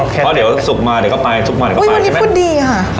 เพราะเดี๋ยวสุขมาเดี๋ยวก็ไปสุขมาเดี๋ยวก็ไปอุ้ยวันนี้พูดดีค่ะ